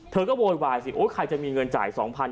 เธอก็โวยวายสิใครจะมีเงินจ่าย๒๐๐๐